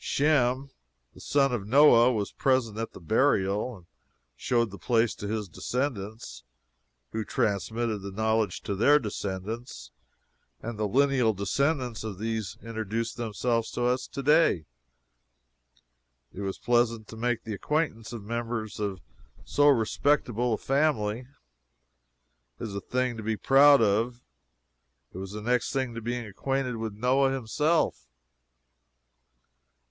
Shem, the son of Noah, was present at the burial, and showed the place to his descendants, who transmitted the knowledge to their descendants, and the lineal descendants of these introduced themselves to us to day. It was pleasant to make the acquaintance of members of so respectable a family. It was a thing to be proud of. It was the next thing to being acquainted with Noah himself.